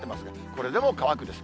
これでも乾くです。